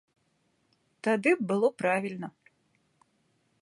Тады б было правільна.